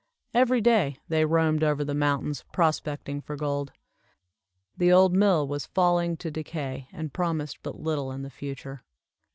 Every day they roamed over the mountains, prospecting for gold. The old mill was falling to decay, and promised but little in the future.